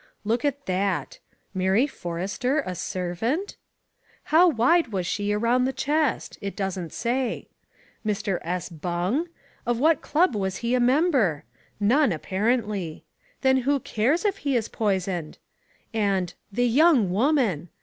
Look at that. Mary Forrester a servant? How wide was she round the chest? It doesn't say. Mr. S. Bung? Of what club was he a member? None, apparently. Then who cares if he is poisoned? And "the young woman!"